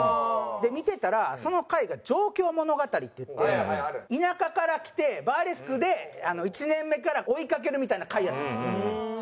で見てたらその回が上京物語っていって田舎から来てバーレスクで１年目から追いかけるみたいな回やったんですよそれが。